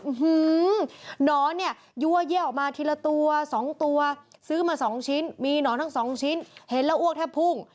อื้อฮือหนอนเนี่ยยั่วออกมาทีละตัว๒ตัวซื้อมา๒ชิ้นมีหนอนทั้ง๒ชิ้นเห็นแล้วอ้วกแท่พุ่ง